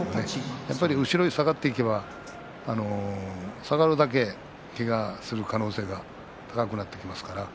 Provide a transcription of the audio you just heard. やっぱり後ろ下がっていけば下がるだけけがをする可能性が高くなってきますから。